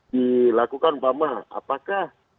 dilakukan bama apakah